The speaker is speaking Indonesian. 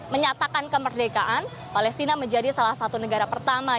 menyatakan kemerdekaan palestina menjadi salah satu negara pertama